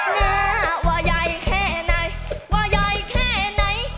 น่าว่ายายแค่ไหนว่ายายแค่ไหน